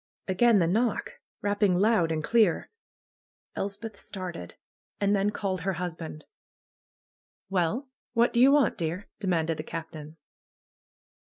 Again the knock! Eapping loud and clear. Elspeth started. And then called her husband. '^Well ! What do you want, dear?*' demanded the Captain.